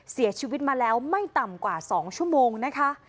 เสียชีวิตมาแล้วไม่ต่ำกว่า๒ชั่วโมงนะคะ